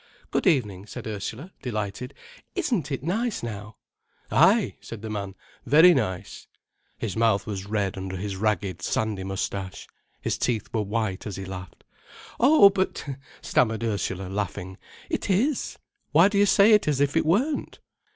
"Good evening," said Ursula, delighted. "Isn't it nice now?" "Ay," said the man, "very nice." His mouth was red under his ragged, sandy moustache. His teeth were white as he laughed. "Oh, but—" stammered Ursula, laughing, "it is. Why do you say it as if it weren't?"